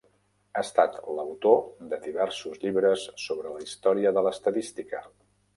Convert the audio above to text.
Ha estat l'autor de diversos llibres sobre la història de l'estadística.